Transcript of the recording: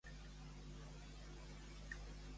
Què vol l'ambaixada evitar que faci Torra?